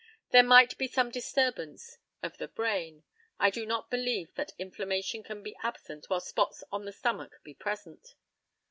There might be some disturbance of the brain. I do not believe that inflammation can be absent while spots on the stomach be present.